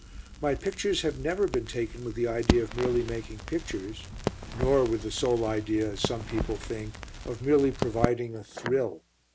My pictures have never been taken with the idea of merely making pictures, nor with the sole idea, as some people think, of merely providing a "thrill."